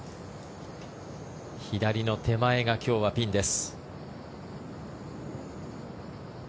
左の手前が今日はピンです。